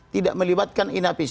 tidak melibatkan inapis